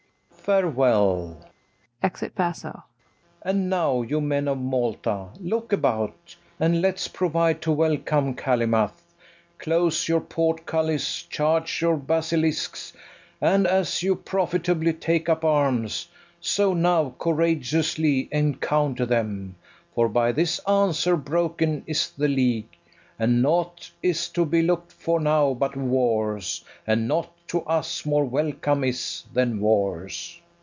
FERNEZE. Farewell. [Exit BASSO.] And now, you men of Malta, look about, And let's provide to welcome Calymath: Close your port cullis, charge your basilisks, And, as you profitably take up arms, So now courageously encounter them, For by this answer broken is the league, And naught is to be look'd for now but wars, And naught to us more welcome is than wars.